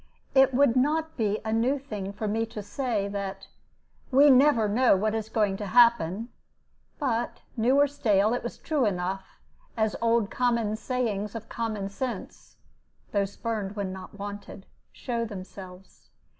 It would not be a new thing for me to say that "we never know what is going to happen;" but, new or stale, it was true enough, as old common sayings of common sense (though spurned when not wanted) show themselves.